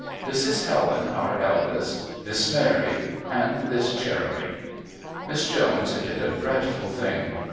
This is Helen, our eldest this Mary and this Jeremy." Miss Jones did a dreadful thing.